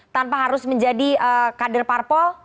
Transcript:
tanpa harus menjadi kader parpol